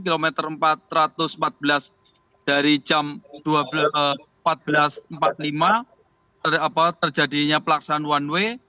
kilometer empat ratus empat belas dari jam empat belas empat puluh lima terjadinya pelaksanaan one way